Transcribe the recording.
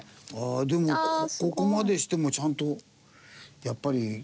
でもここまでしてもちゃんとやっぱり線出てるね。